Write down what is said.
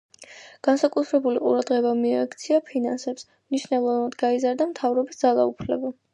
განსაკუთრებული ყურადღება მიაქცია ფინანსებს, მნიშვნელოვნად გაზარდა მთავრის ძალაუფლება.